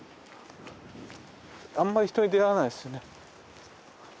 あんまり人に出会わないですね。